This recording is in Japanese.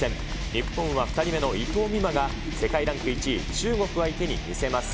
日本は２人目の伊藤美誠が、世界ランク１位、中国相手に見せます。